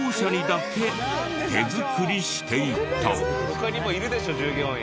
他にもいるでしょ従業員。